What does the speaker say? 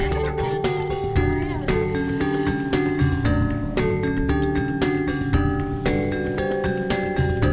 bang gods kaya liat di estudio